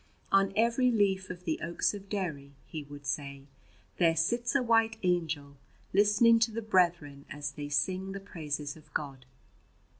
"On every leaf of the oaks of Derry," he would say, "there sits a white angel listening to the brethren as they sing the praises of God."